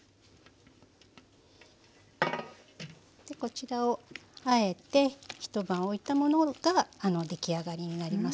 こちらを和えて一晩おいたものが出来上がりになりますね。